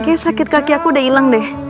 kayaknya sakit kaki aku udah hilang deh